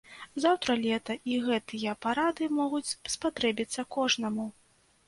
Заўтра лета, і гэтыя парады могуць спатрэбіцца кожнаму.